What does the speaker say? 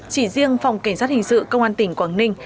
chỉ riêng phòng cảnh sát hình sự công an tỉnh quảng ninh